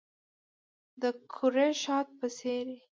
د کره شاتو په څیرې